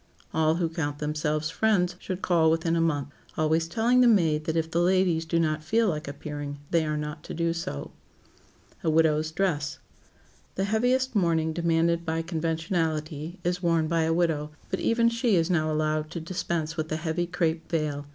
All who count themselves friends should call within a month, always telling the maid that if the ladies do not feel like appearing they are not to do so. [Sidenote: A WIDOW'S DRESS] The heaviest mourning demanded by conventionality is worn by a widow, but even she is now allowed to dispense with the heavy crape veil.